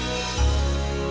sampai jumpa lagi